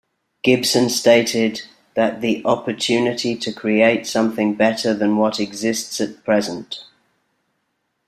Gibson stated that "the opportunity to create something better than what exists at present".